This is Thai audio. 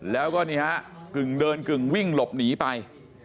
แล้วก็นี่ฮะกึ่งเดินกึ่งวิ่งหลบหนีไป